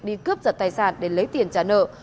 đi cướp giật tài sản để lấy tiền trả nợ